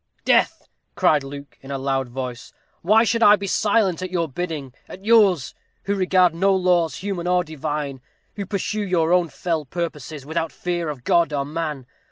"Death!" cried Luke, in a loud voice. "Why should I be silent at your bidding at yours who regard no laws, human or divine; who pursue your own fell purposes, without fear of God or man?